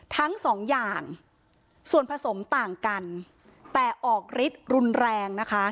ทั้งสองอย่างส่วนผสมต่างกันแต่ออกฤทธิ์รุนแรงนะคะ